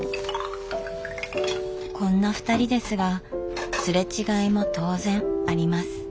こんなふたりですが擦れ違いも当然あります。